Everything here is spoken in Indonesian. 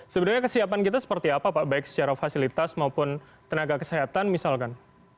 sebenarnya kesiapan kita seperti apa pak baik secara fasilitas maupun tenaga kesehatan misalkan